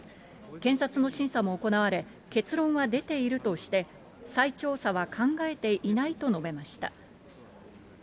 検察の審査も行われ、結論は出ているとして、再調査は考えていないと述べました。